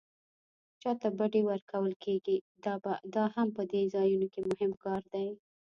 چاته بډې ورکول کېږي دا هم په دې ځایونو کې مهم کار دی.